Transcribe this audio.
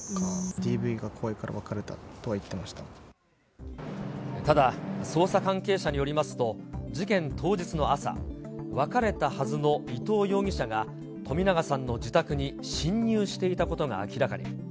ＤＶが怖いから別れたとは言ってただ、捜査関係者によりますと、事件当日の朝、別れたはずの伊藤容疑者が、冨永さんの自宅に侵入していたことが明らかに。